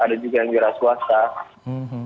ada juga yang jelas kuasa